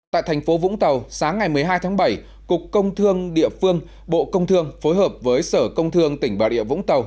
tại thành phố vũng tàu sáng ngày một mươi hai tháng bảy cục công thương địa phương bộ công thương phối hợp với sở công thương tỉnh bà rịa vũng tàu